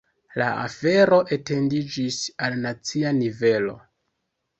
La afero etendiĝis al nacia nivelo.